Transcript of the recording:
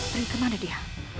pergi kemana dia